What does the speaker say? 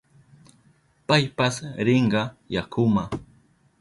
Paypas rinka yakuma.